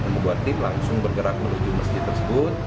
membuat tim langsung bergerak menuju masjid tersebut